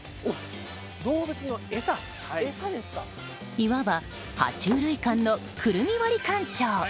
いわば爬虫類館のクルミ割り館長。